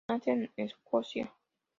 Nace en Escocia.